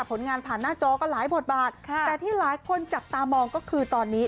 ผลงานผ่านหน้าจอก็หลายบทบาทค่ะแต่ที่หลายคนจับตามองก็คือตอนนี้